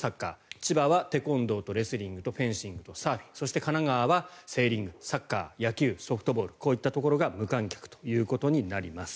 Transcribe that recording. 千葉はテコンドーとレスリングとフェンシングとサーフィンそして、神奈川はセーリングサッカー、野球、ソフトボールが無観客となります。